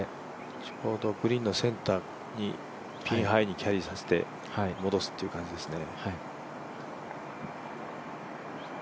ちょうどグリーンのセンターにピンハイにキャリーさせて戻すという感じですね。